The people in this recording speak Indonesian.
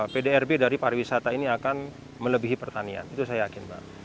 pdrb dari pariwisata ini akan melebihi pertanian itu saya yakin mbak